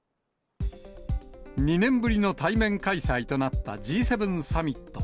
２年ぶりの対面開催となったＧ７サミット。